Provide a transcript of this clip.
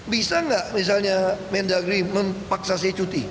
bisa nggak misalnya mendagri memaksa saya cuti